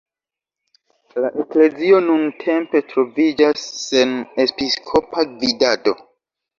La eklezio nuntempe troviĝas sen episkopa gvidado.